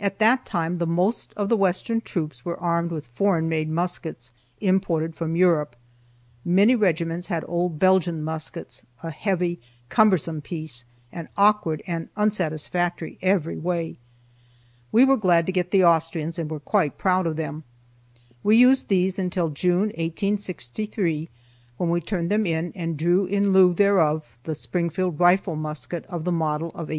At that time the most of the western troops were armed with foreign made muskets, imported from Europe. Many regiments had old Belgian muskets, a heavy, cumbersome piece, and awkward and unsatisfactory every way. We were glad to get the Austrians, and were quite proud of them. We used these until June, 1863, when we turned them in and drew in lieu thereof the Springfield rifle musket of the model of 1863.